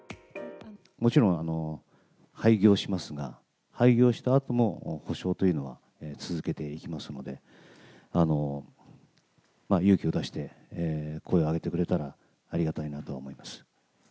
もちろん廃業しますが、廃業したあとも補償というのは続けていきますので、勇気を出して声を上げてくれたら、ありがたいなと思います。